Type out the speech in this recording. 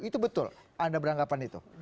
itu betul anda beranggapan itu